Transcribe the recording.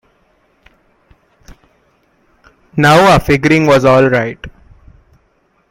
Now our figuring was all right.